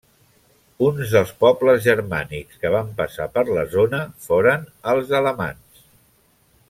Un dels pobles germànics que van passar per la zona foren els alamans.